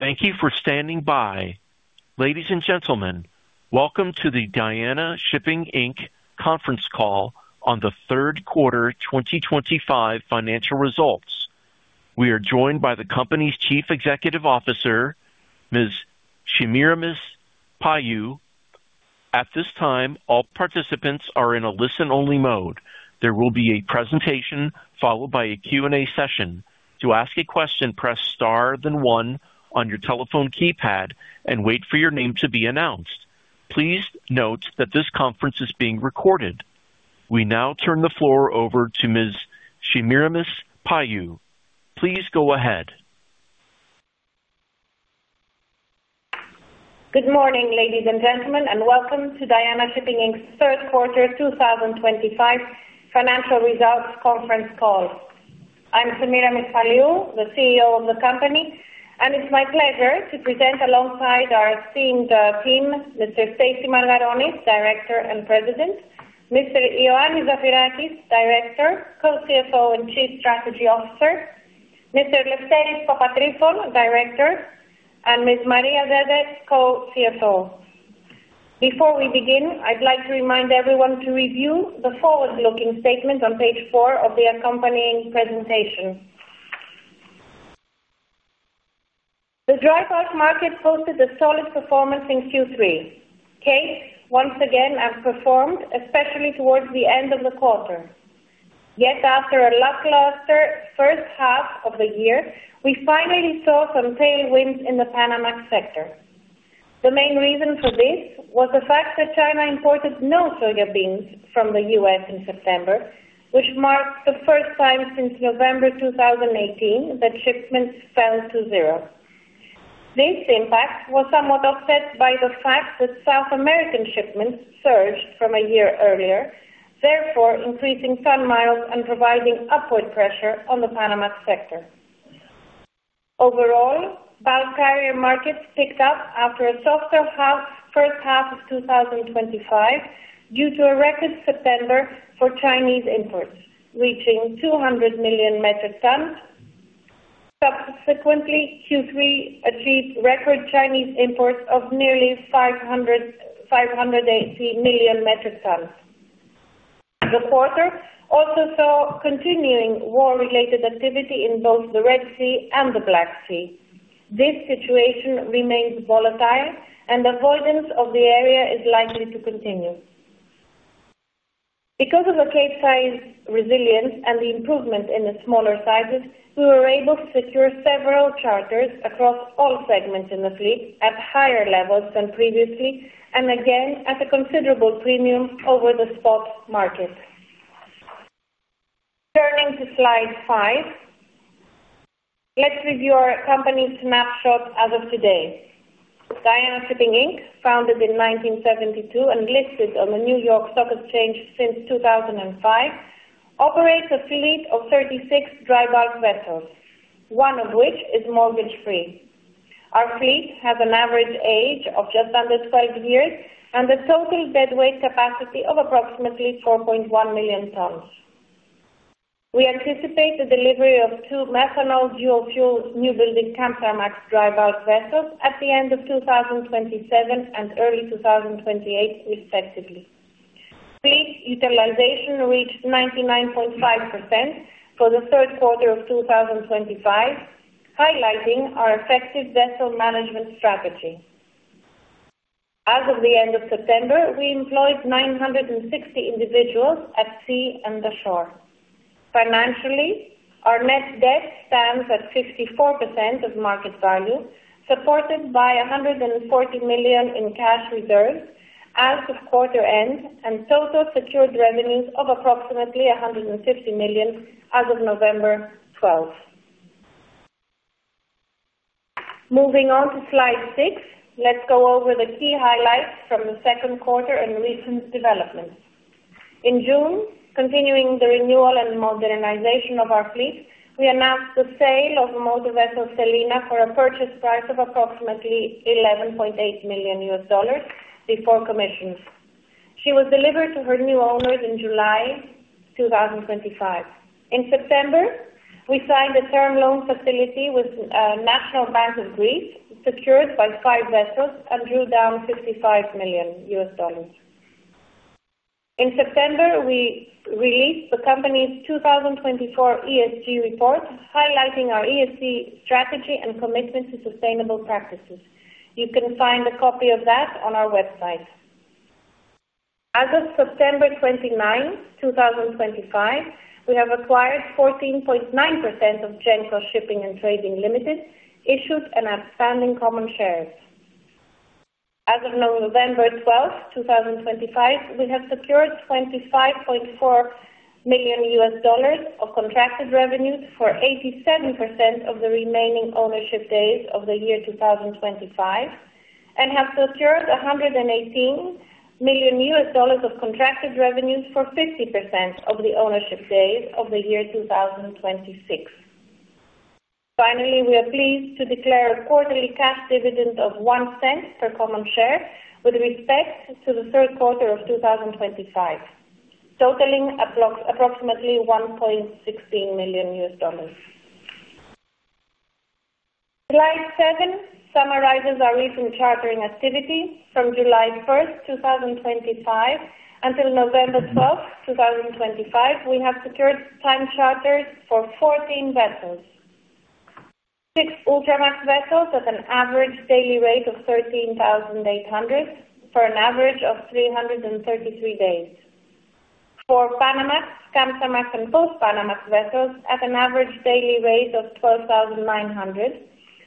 Thank you for standing by. Ladies and gentlemen, welcome to the Diana Shipping Inc conference call on the third quarter 2025 financial results. We are joined by the company's Chief Executive Officer, Ms. Semiramis Paliou. At this time, all participants are in a listen-only mode. There will be a presentation followed by a Q&A session. To ask a question, press star then one on your telephone keypad and wait for your name to be announced. Please note that this conference is being recorded. We now turn the floor over to Ms. Semiramis Paliou. Please go ahead. Good morning, ladies and gentlemen, and welcome to Diana Shipping Inc's third quarter 2025 financial results conference call. I'm Semiramis Paliou, the CEO of the company, and it's my pleasure to present alongside our esteemed team, Mr. Stacy Margaronis, Director and President, Mr. Ioannis Zafirakis, Director, Co-CFO, and Chief Strategy Officer, Mr. Eleftherios Papatrifon, Director, and Ms. Maria Dede, Co-CFO. Before we begin, I'd like to remind everyone to review the forward-looking statement on page four of the accompanying presentation. The dry bulk market posted a solid performance in Q3. Cape, once again, has performed especially towards the end of the quarter. Yet, after a lackluster first half of the year, we finally saw some tailwinds in the Panamax sector. The main reason for this was the fact that China imported no soybeans from the U.S. In September, which marked the first time since November 2018 that shipments fell to zero. This impact was somewhat offset by the fact that South American shipments surged from a year earlier, therefore increasing turn miles and providing upward pressure on the Panamax sector. Overall, bulk carrier markets picked up after a softer first half of 2025 due to a record September for Chinese imports reaching 200 million metric tons. Subsequently, Q3 achieved record Chinese imports of nearly 580 million metric tons. The quarter also saw continuing war-related activity in both the Red Sea and the Black Sea. This situation remains volatile, and avoidance of the area is likely to continue. Because of the Capesize resilience and the improvement in the smaller sizes, we were able to secure several charters across all segments in the fleet at higher levels than previously, and again at a considerable premium over the spot market. Turning to slide five, let's review our company snapshot as of today. Diana Shipping Inc, founded in 1972 and listed on the New York Stock Exchange since 2005, operates a fleet of 36 dry bulk vessels, one of which is mortgage-free. Our fleet has an average age of just under 12 years and a total deadweight capacity of approximately 4.1 million tons. We anticipate the delivery of two methanol dual-fuel new-building Kamsarmax dry bulk vessels at the end of 2027 and early 2028, respectively. Fleet utilization reached 99.5% for the third quarter of 2025, highlighting our effective vessel management strategy. As of the end of September, we employed 960 individuals at sea and the shore. Financially, our net debt stands at 54% of market value, supported by $140 million in cash reserves as of quarter end and total secured revenues of approximately $150 million as of November 12. Moving on to slide six, let's go over the key highlights from the second quarter and recent developments. In June, continuing the renewal and modernization of our fleet, we announced the sale of motor vessel Selina for a purchase price of approximately $11.8 million before commission. She was delivered to her new owners in July 2025. In September, we signed a term loan facility with National Bank of Greece, secured by five vessels, and drew down $55 million. In September, we released the company's 2024 ESG report, highlighting our ESG strategy and commitment to sustainable practices. You can find a copy of that on our website. As of September 29, 2025, we have acquired 14.9% of Genco Shipping & Trading Limited issued and outstanding common shares. As of November 12, 2025, we have secured $25.4 million of contracted revenues for 87% of the remaining ownership days of the year 2025 and have secured $118 million of contracted revenues for 50% of the ownership days of the year 2026. Finally, we are pleased to declare a quarterly cash dividend of $0.01 per common share with respect to the third quarter of 2025, totaling approximately $1.16 million. Slide seven summarizes our recent chartering activity. From July 1st, 2025, until November 12th, 2025, we have secured time charters for 14 vessels, six Ultramax vessels at an average daily rate of $13,800 for an average of 333 days, for Panamax, Kamsarmax, and Post-Panamax vessels at an average daily rate of $12,900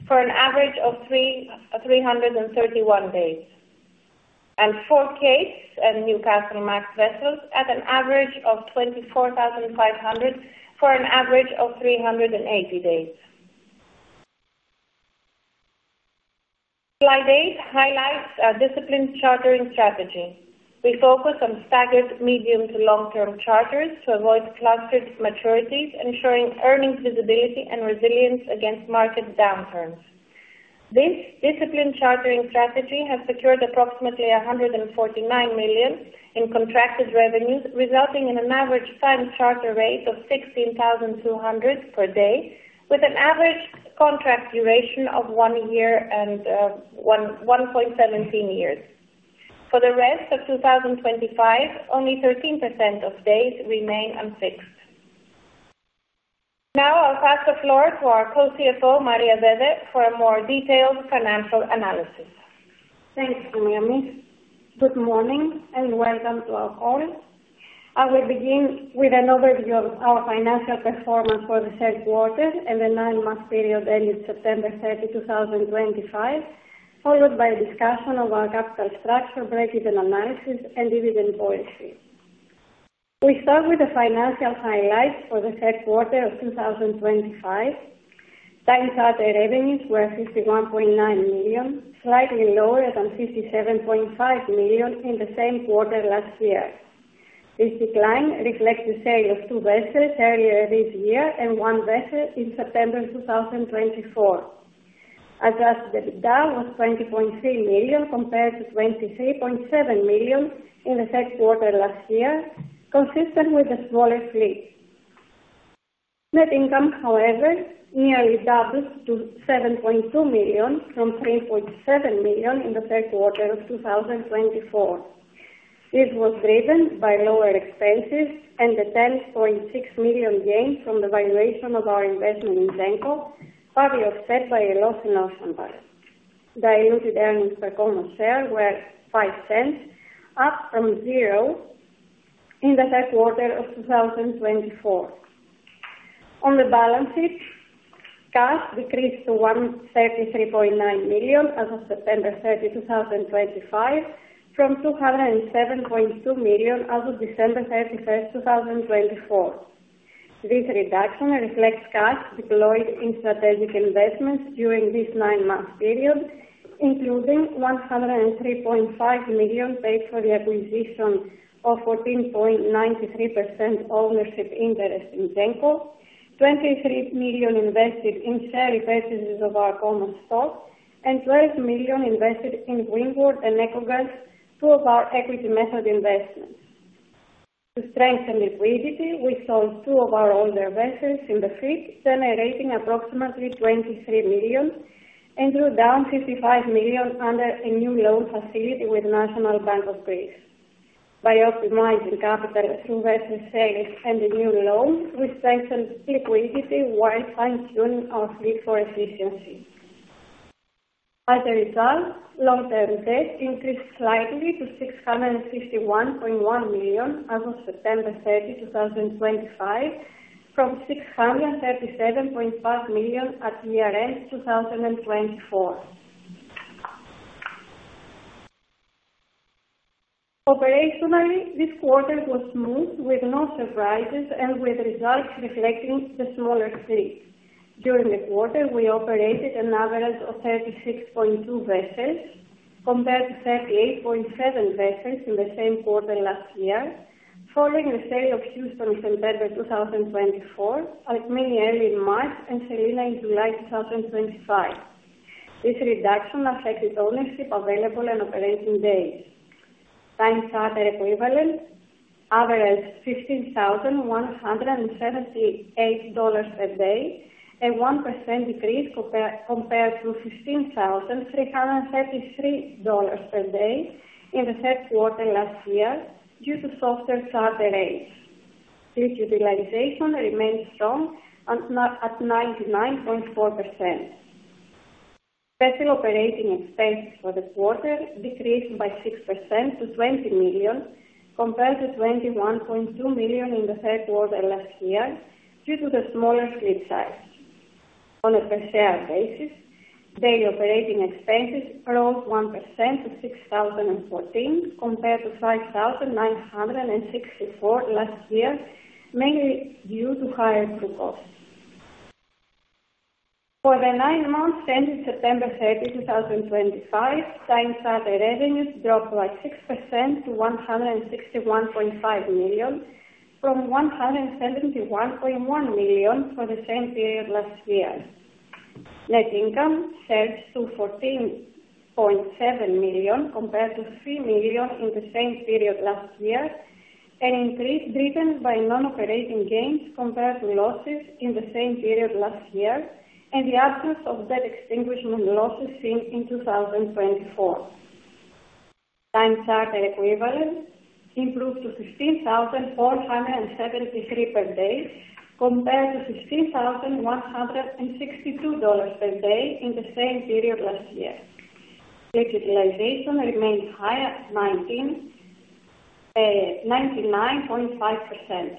for an average of 331 days, and for Cape and Newcastlemax vessels at an average of $24,500 for an average of 380 days. Slide eight highlights our disciplined chartering strategy. We focus on staggered medium to long-term charters to avoid clustered maturities, ensuring earnings visibility and resilience against market downturns. This disciplined chartering strategy has secured approximately $149 million in contracted revenues, resulting in an average time charter rate of $16,200 per day, with an average contract duration of one year and 1.17 years. For the rest of 2025, only 13% of days remain unfixed. Now I'll pass the floor to our Co-CFO, Maria Dede, for a more detailed financial analysis. Thanks, Semiramis. Good morning and welcome to all. I will begin with an overview of our financial performance for the third quarter and the nine-month period ending September 30, 2025, followed by a discussion of our capital structure, break-even analysis, and dividend policy. We start with the financial highlights for the third quarter of 2025. Time charter revenues were $51.9 million, slightly lower than $57.5 million in the same quarter last year. This decline reflects the sale of two vessels earlier this year and one vessel in September 2024. Adjusted EBITDA was $20.3 million compared to $23.7 million in the third quarter last year, consistent with the smaller fleet. Net income, however, nearly doubled to $7.2 million from $3.7 million in the third quarter of 2024. This was driven by lower expenses and the $10.6 million gain from the valuation of our investment in Genco, partly offset by a loss in ocean value. Diluted earnings per common share were $0.05, up from zero in the third quarter of 2024. On the balance sheet, cash decreased to $133.9 million as of September 30, 2025, from $207.2 million as of December 31st, 2024. This reduction reflects cash deployed in strategic investments during this nine-month period, including $103.5 million paid for the acquisition of 14.93% ownership interest in Genco, $23 million invested in share repurchases of our common stock, and $12 million invested in Wingwood and Echo Gulf, two of our equity method investments. To strengthen liquidity, we sold two of our older vessels in the fleet, generating approximately $23 million, and drew down $55 million under a new loan facility with National Bank of Greece. By optimizing capital through vessel sales and the new loan, we strengthened liquidity while fine-tuning our fleet for efficiency. As a result, long-term debt increased slightly to $651.1 million as of September 30, 2025, from $637.5 million at year-end 2024. Operationally, this quarter was smooth with no surprises and with results reflecting the smaller fleet. During the quarter, we operated an average of 36.2 vessels compared to 38.7 vessels in the same quarter last year, following the sale of Houston in September 2024, Artemis in March, and Selina in July 2025. This reduction affected ownership, available, and operating days. Time charter equivalent averaged $15,178 per day, a 1% decrease compared to $15,333 per day in the third quarter last year due to softer charter rates. Fleet utilization remained strong at 99.4%. Vessel operating expenses for the quarter decreased by 6% to $20 million compared to $21.2 million in the third quarter last year due to the smaller fleet size. On a per share basis, daily operating expenses rose 1% to $6,014 compared to $5,964 last year, mainly due to higher crew costs. For the nine months ending September 30, 2025, time charter revenues dropped by 6% to $161.5 million, from $171.1 million for the same period last year. Net income surged to $14.7 million compared to $3 million in the same period last year, an increase driven by non-operating gains compared to losses in the same period last year and the absence of debt extinguishment losses seen in 2024. Time charter equivalent improved to $15,473 per day compared to $15,162 per day in the same period last year. Fleet utilization remained high at 99.5%.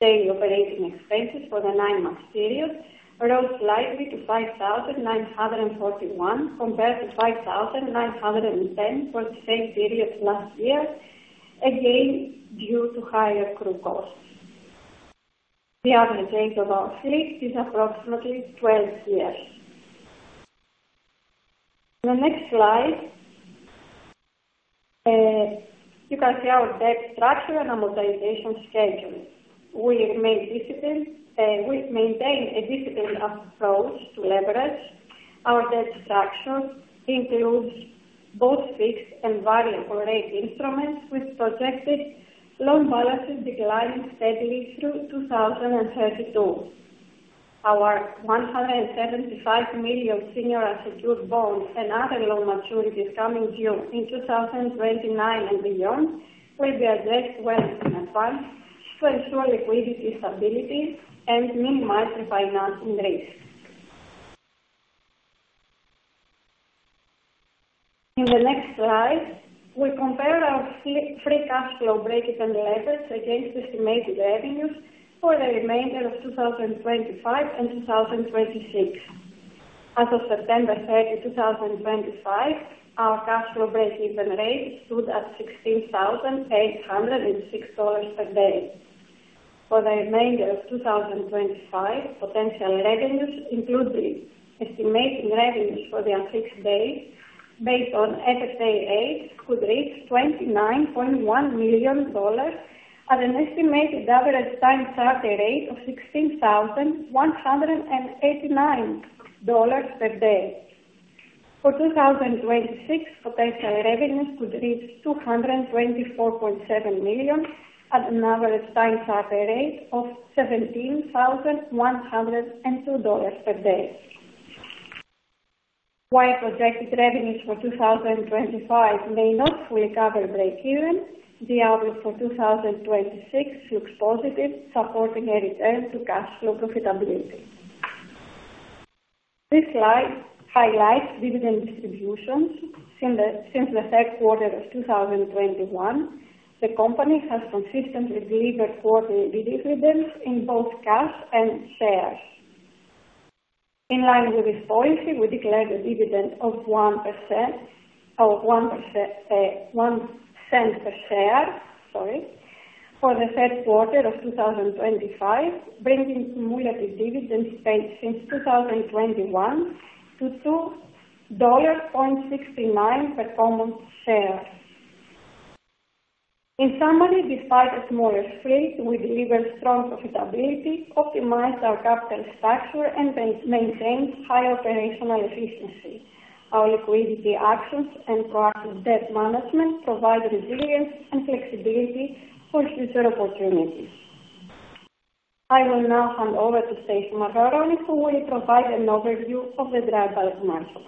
Daily operating expenses for the nine-month period rose slightly to $5,941 compared to $5,910 for the same period last year, again due to higher crew costs. The average age of our fleet is approximately 12 years. In the next slide, you can see our debt structure and our amortization schedule. We maintain a disciplined approach to leverage. Our debt structure includes both fixed and variable-rate instruments, with projected loan balances declining steadily through 2032. Our $175 million senior unsecured bonds and other loan maturities coming due in 2029 and beyond will be addressed well in advance to ensure liquidity stability and minimize the financing risk. In the next slide, we compare our free cash flow break-even levels against estimated revenues for the remainder of 2025 and 2026. As of September 30, 2025, our cash flow break-even rate stood at $16,806 per day. For the remainder of 2025, potential revenues, including estimated revenues for the unfixed days based on FSAAs, could reach $29.1 million at an estimated average time charter rate of $16,189 per day. For 2026, potential revenues could reach $224.7 million at an average time charter rate of $17,102 per day. While projected revenues for 2025 may not fully cover break-even, the outlook for 2026 looks positive, supporting a return to cash flow profitability. This slide highlights dividend distributions. Since the third quarter of 2021, the company has consistently delivered quarterly dividends in both cash and shares. In line with this policy, we declared a dividend of 1% per share for the third quarter of 2025, bringing cumulative dividends paid since 2021 to $2.69 per common share. In summary, despite a smaller fleet, we delivered strong profitability, optimized our capital structure, and maintained high operational efficiency. Our liquidity actions and proactive debt management provide resilience and flexibility for future opportunities. I will now hand over to Stacy Margaronis, who will provide an overview of the dry bulk market.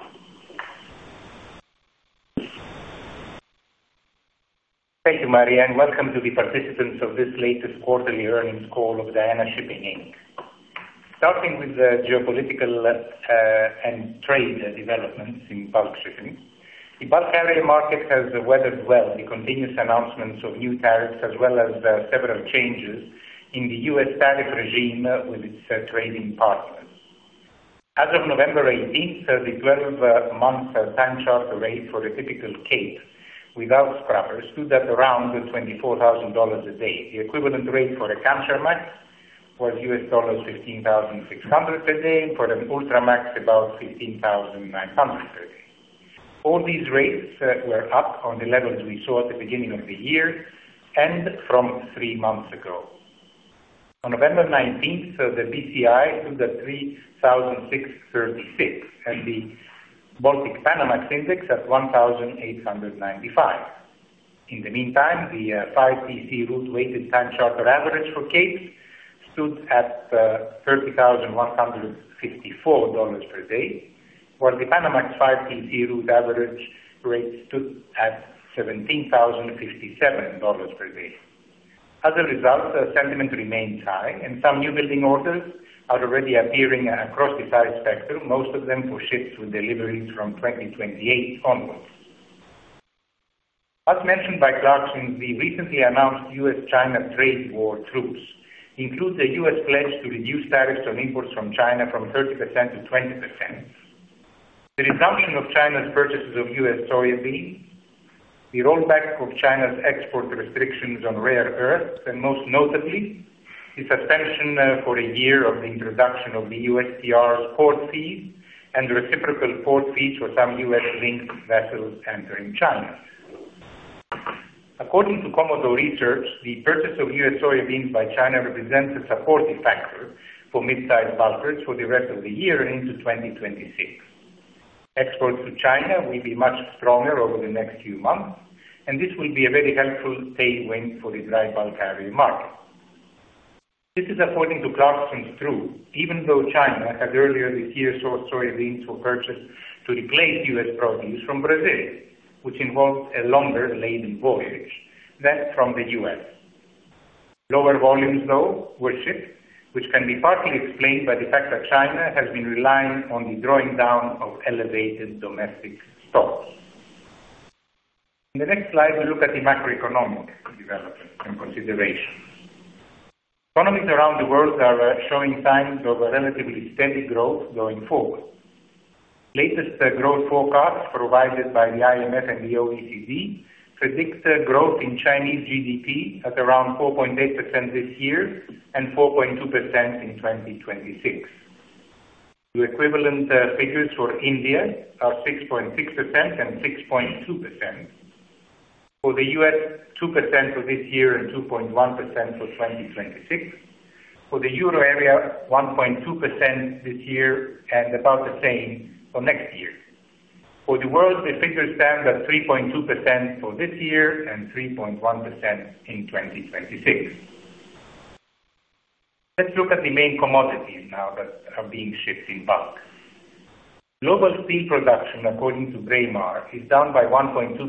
Thank you, Maria, and welcome to the participants of this latest quarterly earnings call of Diana Shipping Inc. Starting with the geopolitical and trade developments in bulk shipping, the bulk carrier market has weathered well the continuous announcements of new tariffs as well as several changes in the U.S. tariff regime with its trading partners. As of November 18, the 12-month time charter rate for a typical Cape without scrubbers stood at around $24,000 a day. The equivalent rate for a Kamsarmax was $15,600 per day, and for an Ultramax, about $15,900 per day. All these rates were up on the levels we saw at the beginning of the year and from three months ago. On November 19, the BCI stood at 3,636, and the Baltic Panamax Index at 1,895. In the meantime, the 5TC route weighted time charter average for Cape stood at $30,154 per day, while the Panamax 5TC route average rate stood at $17,057 per day. As a result, sentiment remains high, and some new building orders are already appearing across the size spectrum, most of them for ships with deliveries from 2028 onwards. As mentioned by Clarkson, the recently announced U.S.-China trade war troops include the U.S. pledge to reduce tariffs on imports from China from 30% to 20%, the resumption of China's purchases of U.S. soybeans, the rollback of China's export restrictions on rare earths, and most notably, the suspension for a year of the introduction of the USTR's port fees and reciprocal port fees for some U.S.-linked vessels entering China. According to Komodo Research, the purchase of U.S. soybeans by China represents a supporting factor for mid-size bulkers for the rest of the year and into 2026. Exports to China will be much stronger over the next few months, and this will be a very helpful tailwind for the dry bulk carrier market. This is according to Clarkson, even though China had earlier this year sourced soybeans for purchase to replace U.S. produce from Brazil, which involved a longer laden voyage than from the U.S. Lower volumes, though, were shipped, which can be partly explained by the fact that China has been relying on the drawing down of elevated domestic stocks. In the next slide, we look at the macroeconomic developments and considerations. Economies around the world are showing signs of a relatively steady growth going forward. Latest growth forecasts provided by the IMF and the OECD predict growth in Chinese GDP at around 4.8% this year and 4.2% in 2026. The equivalent figures for India are 6.6% and 6.2%. For the U.S., 2% for this year and 2.1% for 2026. For the euro area, 1.2% this year and about the same for next year. For the world, the figures stand at 3.2% for this year and 3.1% in 2026. Let's look at the main commodities now that are being shipped in bulk. Global steel production, according to Braemar, is down by 1.2%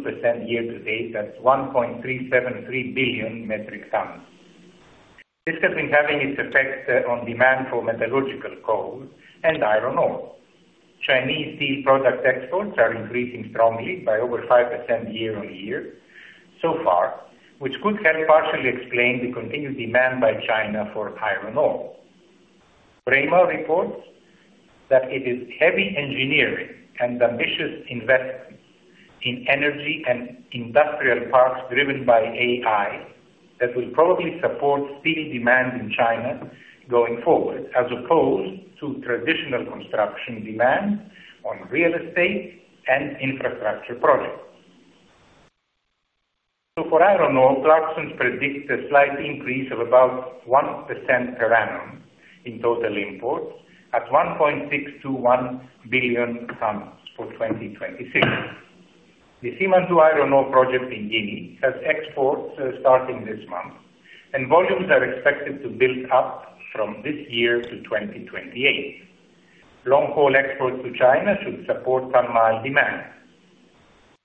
year to date, at 1.373 billion metric tons. This has been having its effect on demand for metallurgical coal and iron ore. Chinese steel product exports are increasing strongly by over 5% year-on-year so far, which could help partially explain the continued demand by China for iron ore. Braemar reports that it is heavy engineering and ambitious investments in energy and industrial parks driven by AI that will probably support steel demand in China going forward, as opposed to traditional construction demand on real estate and infrastructure projects. For iron ore, Clarkson predicts a slight increase of about 1% per annum in total imports at 1.621 billion tons for 2026. The Simandou iron ore project in Guinea has exports starting this month, and volumes are expected to build up from this year to 2028. Long-haul exports to China should support online demand.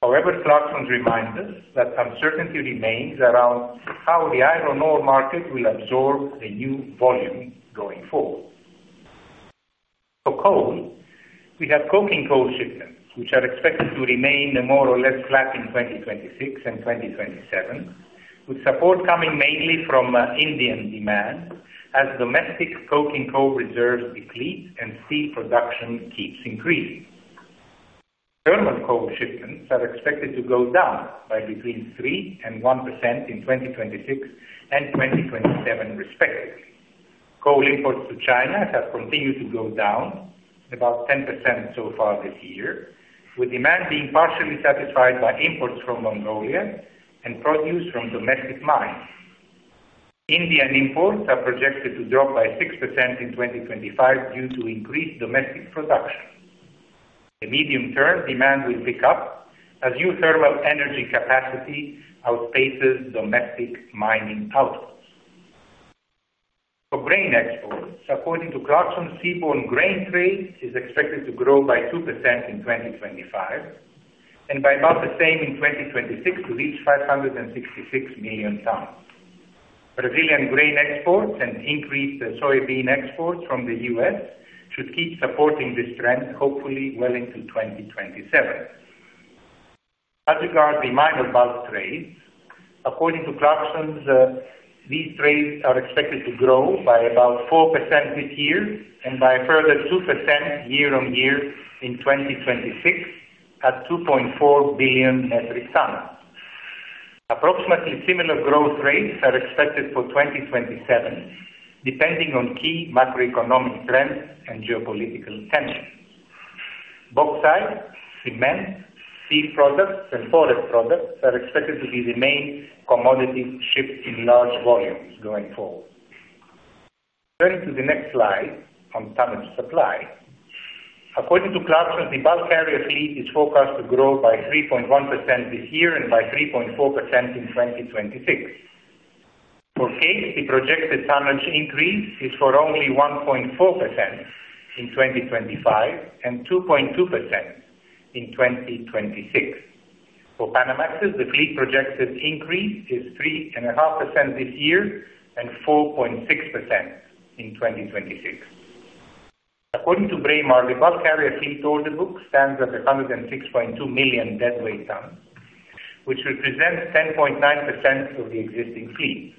However, Clarkson reminds us that uncertainty remains around how the iron ore market will absorb the new volume going forward. For coal, we have coking coal shipments, which are expected to remain more or less flat in 2026 and 2027, with support coming mainly from Indian demand as domestic coking coal reserves deplete and steel production keeps increasing. Thermal coal shipments are expected to go down by between 3% and 1% in 2026 and 2027, respectively. Coal imports to China have continued to go down, about 10% so far this year, with demand being partially satisfied by imports from Mongolia and produce from domestic mines. Indian imports are projected to drop by 6% in 2025 due to increased domestic production. In the medium term, demand will pick up as new thermal energy capacity outpaces domestic mining outputs. For grain exports, according to Clarkson's Seabourn grain trade, it is expected to grow by 2% in 2025 and by about the same in 2026 to reach 566 million tons. Brazilian grain exports and increased soybean exports from the U.S. should keep supporting this trend, hopefully well into 2027. As regards the minor bulk trades, according to Clarkson, these trades are expected to grow by about 4% this year and by a further 2% year-on-year in 2026 at 2.4 billion metric tons. Approximately similar growth rates are expected for 2027, depending on key macroeconomic trends and geopolitical tensions. Bauxite, cement, seed products, and forest products are expected to be the main commodities shipped in large volumes going forward. Turning to the next slide on tonnage supply, according to Clarkson, the bulk carrier fleet is forecast to grow by 3.1% this year and by 3.4% in 2026. For Cape, the projected tonnage increase is for only 1.4% in 2025 and 2.2% in 2026. For Panamaxes, the fleet projected increase is 3.5% this year and 4.6% in 2026. According to Braemar, the bulk carrier fleet order book stands at 106.2 million deadweight tons, which represents 10.9% of the existing fleet.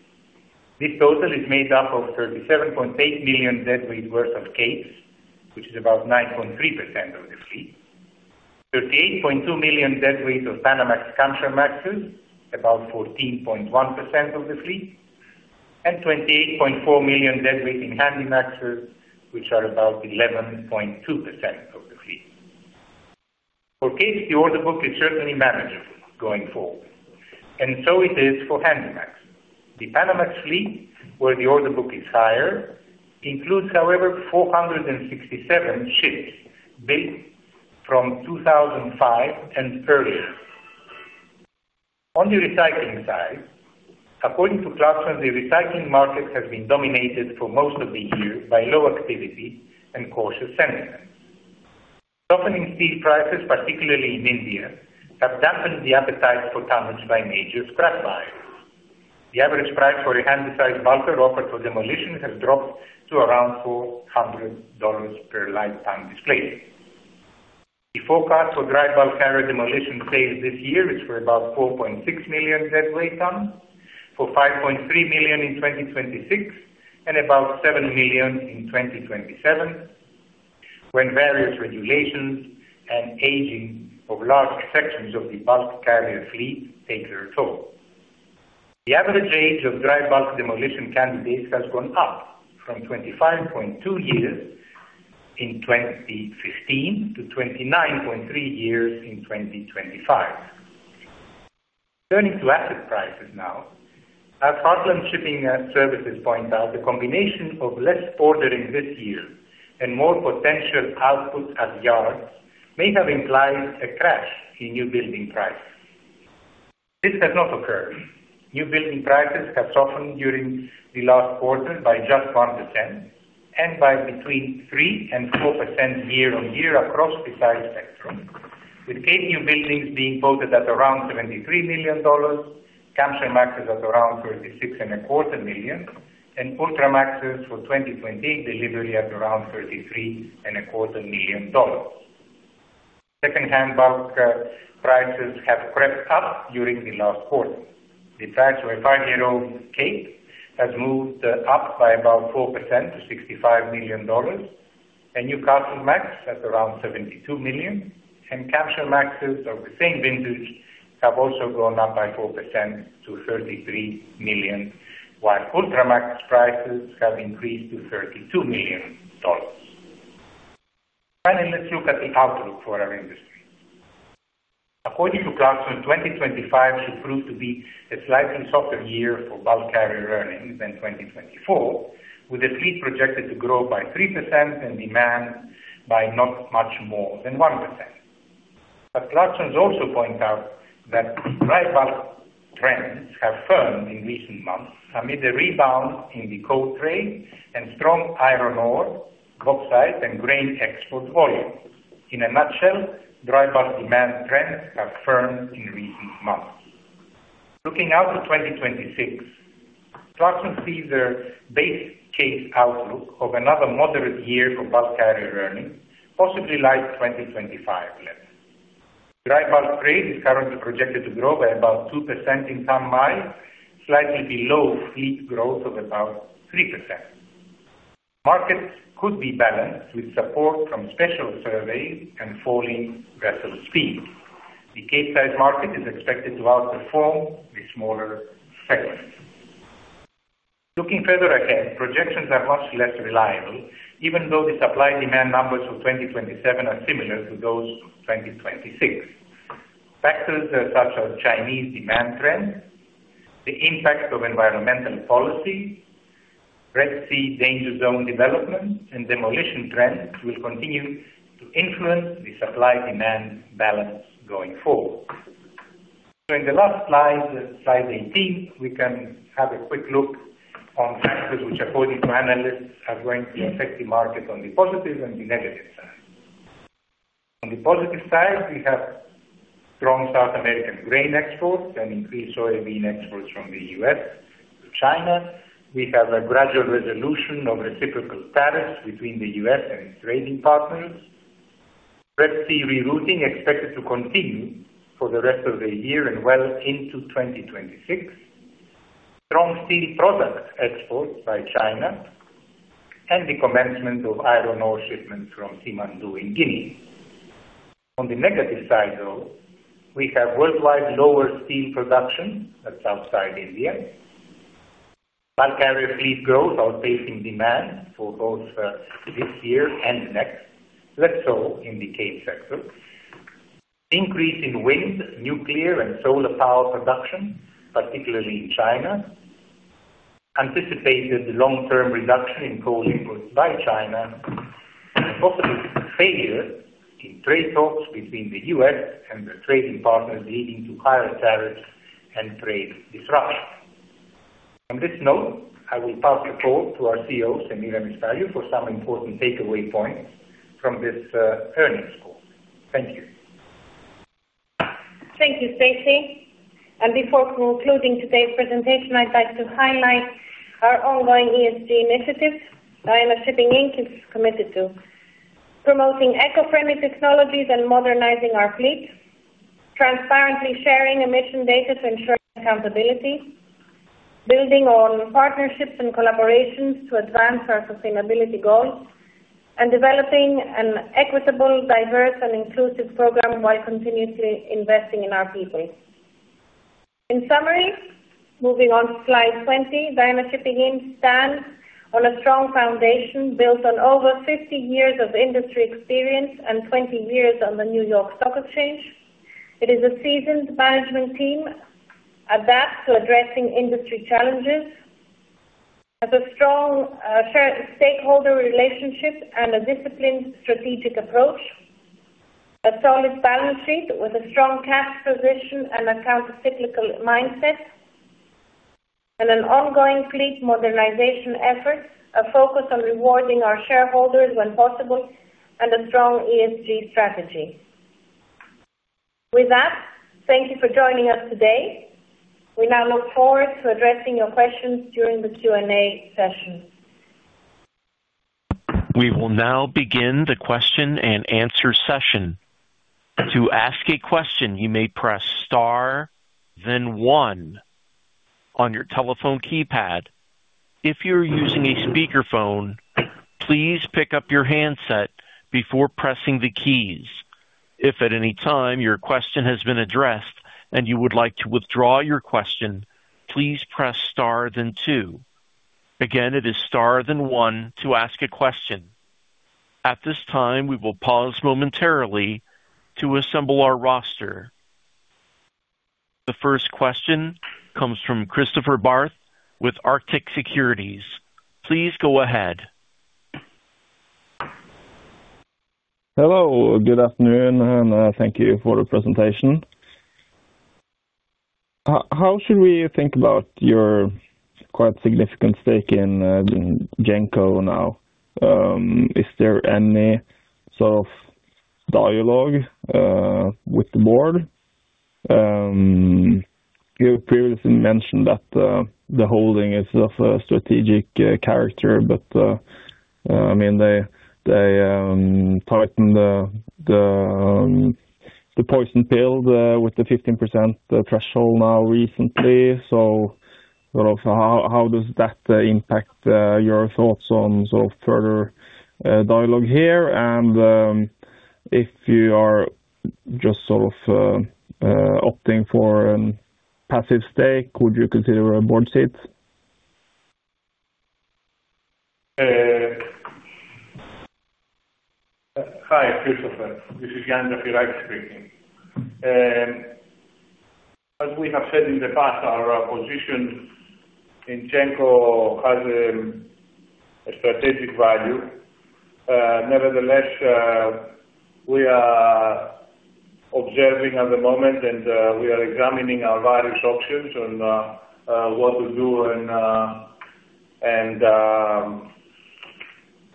This total is made up of 37.8 million deadweight worth of Capes, which is about 9.3% of the fleet, 38.2 million deadweight of Panamax Kamsarmaxes, about 14.1% of the fleet, and 28.4 million deadweight in Handymaxes, which are about 11.2% of the fleet. For Capes, the order book is certainly manageable going forward, and so it is for Handymax. The Panamax fleet, where the order book is higher, includes, however, 467 ships dated from 2005 and earlier. On the recycling side, according to Clarkson's, the recycling market has been dominated for most of the year by low activity and cautious sentiment. Softening steel prices, particularly in India, have dampened the appetite for tonnage by major scrap buyers. The average price for a hand-sized bulker offered for demolition has dropped to around $400 per light-ton displacement. The forecast for dry bulk carrier demolition trades this year is for about 4.6 million deadweight tons for 5.3 million in 2026 and about 7 million in 2027, when various regulations and aging of large sections of the bulk carrier fleet take their toll. The average age of dry bulk demolition candidates has gone up from 25.2 years in 2015 to 29.3 years in 2025. Turning to asset prices now, as Hartland Shipping Services points out, the combination of less ordering this year and more potential output at yards may have implied a crash in new building prices. This has not occurred. New building prices have softened during the last quarter by just 1% and by between 3%-4% year-on-year across the size spectrum, with Cape new buildings being quoted at around $73 million, Kamsarmaxes at around $36.25 million, and Ultramaxes for 2028 delivery at around $33.25 million. Second-hand bulk prices have crept up during the last quarter. The price of a five-year-old Cape has moved up by about 4% to $65 million, a Newcastlemax at around $72 million, and Kamsarmaxes of the same vintage have also gone up by 4% to $33 million, while Ultramax prices have increased to $32 million. Finally, let's look at the outlook for our industry. According to Clarkson, 2025 should prove to be a slightly softer year for bulk carrier earnings than 2024, with the fleet projected to grow by 3% and demand by not much more than 1%. As Clarkson also points out, dry bulk trends have firmed in recent months amid a rebound in the coal trade and strong iron ore, bauxite, and grain export volume. In a nutshell, dry bulk demand trends have firmed in recent months. Looking out to 2026, Clarkson sees the base Cape outlook of another moderate year for bulk carrier earnings, possibly late 2025 level. Dry bulk trade is currently projected to grow by about 2% in some miles, slightly below fleet growth of about 3%. Markets could be balanced with support from special surveys and falling vessel speed. The Capesize market is expected to outperform the smaller segments. Looking further ahead, projections are much less reliable, even though the supply-demand numbers for 2027 are similar to those of 2026. Factors such as Chinese demand trends, the impact of environmental policy, Red Sea danger zone development, and demolition trends will continue to influence the supply-demand balance going forward. In the last slide, slide 18, we can have a quick look on factors which, according to analysts, are going to affect the market on the positive and the negative side. On the positive side, we have strong South American grain exports and increased soybean exports from the U.S. to China. We have a gradual resolution of reciprocal tariffs between the U.S. and its trading partners. Red Sea rerouting is expected to continue for the rest of the year and well into 2026. Strong steel product exports by China and the commencement of iron ore shipments from Simandou in Guinea. On the negative side, though, we have worldwide lower steel production that's outside India. Bulk carrier fleet growth is outpacing demand for both this year and next, less so in the Cape sector. Increase in wind, nuclear, and solar power production, particularly in China. Anticipated long-term reduction in coal imports by China and possible failure in trade talks between the U.S. and the trading partners, leading to higher tariffs and trade disruption. On this note, I will pass the call to our CEO, Semiramis Paliou, for some important takeaway points from this earnings call. Thank you. Thank you, Stacy. Before concluding today's presentation, I'd like to highlight our ongoing ESG initiatives. Diana Shipping Inc is committed to promoting eco-friendly technologies and modernizing our fleet, transparently sharing emission data to ensure accountability, building on partnerships and collaborations to advance our sustainability goals, and developing an equitable, diverse, and inclusive program while continuously investing in our people. In summary, moving on to slide 20, Diana Shipping Inc stands on a strong foundation built on over 50 years of industry experience and 20 years on the New York Stock Exchange. It is a seasoned management team adept to addressing industry challenges, has a strong stakeholder relationship and a disciplined strategic approach, a solid balance sheet with a strong cash position and account cyclical mindset, and an ongoing fleet modernization effort, a focus on rewarding our shareholders when possible, and a strong ESG strategy. With that, thank you for joining us today. We now look forward to addressing your questions during the Q&A session. We will now begin the question and answer session. To ask a question, you may press star, then one on your telephone keypad. If you're using a speakerphone, please pick up your handset before pressing the keys. If at any time your question has been addressed and you would like to withdraw your question, please press star, then two. Again, it is star, then one to ask a question. At this time, we will pause momentarily to assemble our roster. The first question comes from Kristoffer Barth with Arctic Securities. Please go ahead. Hello, good afternoon, and thank you for the presentation. How should we think about your quite significant stake in Genco now? Is there any sort of dialogue with the board? You previously mentioned that the holding is of a strategic character, but I mean, they tightened the poison pill with the 15% threshold now recently. How does that impact your thoughts on sort of further dialogue here? If you are just sort of opting for a passive stake, would you consider a board seat? Hi, Kristoffer. This is Ioannis Zafirakis speaking. As we have said in the past, our position in Genco has a strategic value. Nevertheless, we are observing at the moment, and we are examining our various options on what to do and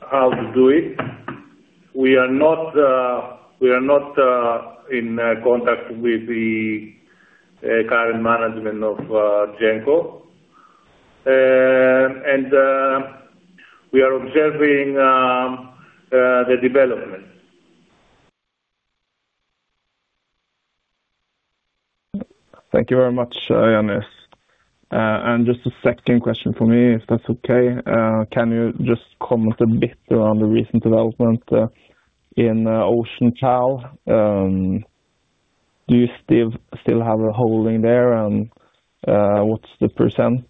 how to do it. We are not in contact with the current management of Genco, and we are observing the development. Thank you very much, Ioannis. Just a second question for me, if that's okay. Can you just comment a bit around the recent development in OceanPal? Do you still have a holding there, and what's the percent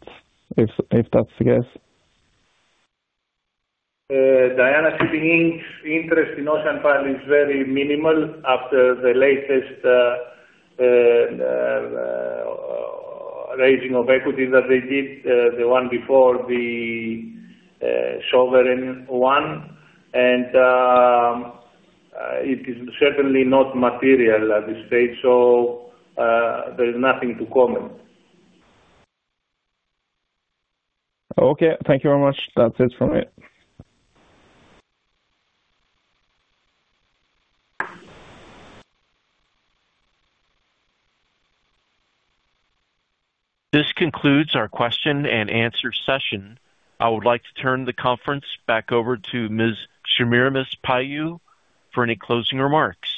if that's the case? Diana Shipping's interest in OceanPal is very minimal after the latest raising of equity that they did, the one before the Sovereign one. It is certainly not material at this stage, so there is nothing to comment. Okay, thank you very much. That's it for me. This concludes our question and answer session. I would like to turn the conference back over to Ms. Semiramis Paliou for any closing remarks.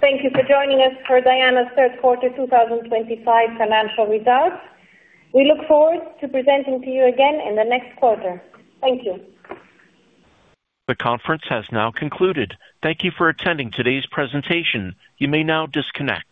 Thank you for joining us for Diana's third quarter 2025 financial results. We look forward to presenting to you again in the next quarter. Thank you. The conference has now concluded. Thank you for attending today's presentation. You may now disconnect.